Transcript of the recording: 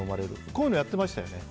こういうのをやってましたね。